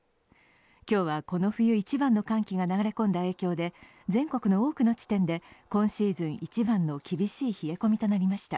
今日はこの冬一番の寒気が流れ込んだ影響で、全国の多くの地点で今シーズン一番の厳しい冷え込みとなりました。